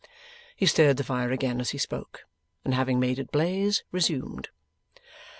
He stirred the fire again as he spoke, and having made it blaze, resumed.